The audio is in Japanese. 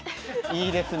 いいですね！